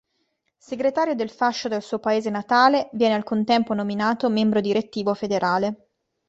Segretario del Fascio del suo paese natale viene al contempo nominato membro Direttivo federale.